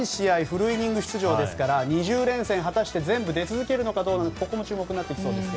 フルイニング出場ですから２０連戦果たして全部出続けるのかどうかここも注目になってきそうです。